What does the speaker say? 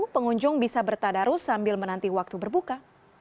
pengunjung bisa bertadarus sambil menanti waktu berbuka